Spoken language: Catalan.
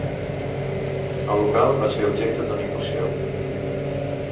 El local va ser objecte d'una incursió